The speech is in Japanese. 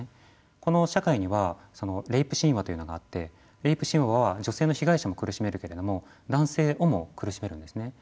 この社会にはレイプ神話というのがあってレイプ神話は女性の被害者も苦しめるけれども男性をも苦しめるんですね。